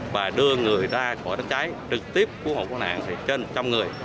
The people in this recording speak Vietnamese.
và đưa người ra khỏi đất cháy trực tiếp cứu hộ cứu nạn thì trên trăm người